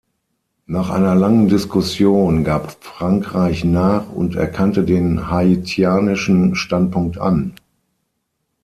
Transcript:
Nach einer langen Diskussion gab Frankreich nach und erkannte den haitianischen Standpunkt an.